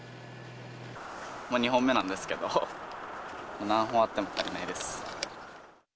２本目なんですけれども、何本あっても足りないです。